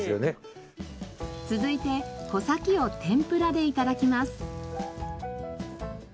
続いて穂先を天ぷらで頂きます。